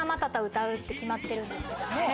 歌うって決まってるんですけども。